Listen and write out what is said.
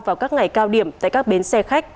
vào các ngày cao điểm tại các bến xe khách